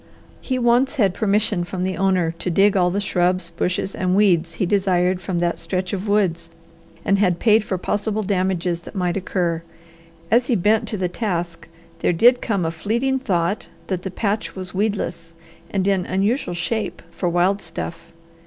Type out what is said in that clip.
He once had permission from the owner to dig all the shrubs, bushes, and weeds he desired from that stretch of woods, and had paid for possible damages that might occur. As he bent to the task there did come a fleeting thought that the patch was weedless and in unusual shape for wild stuff.